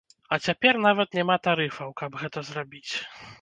А цяпер нават няма тарыфаў, каб гэта зрабіць.